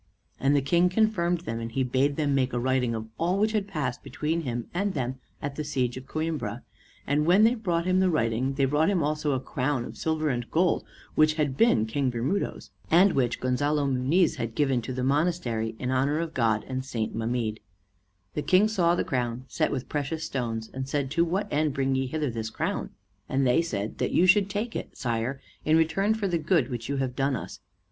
And the King confirmed them, and he bade them make a writing of all which had passed between him and them at the siege of Coimbra; and when they brought him the writing, they brought him also a crown of silver and of gold, which had been King Bermudo's, and which Gonzalo Moniz had given to the monastery in honor of God and St. Mamede. The King saw the crown, set with precious stones, and said, "To what end bring ye hither this crown?" And they said, "That you should take it, sire, in return for the good which you have done us."